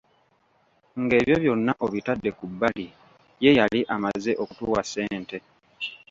Ng'ebyo byonna obitadde ku bbali, ye yali amaze okutuwa ssente.